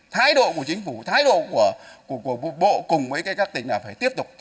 thái độ của chính phủ thái độ của bộ cùng với các tỉnh là phải tiếp tục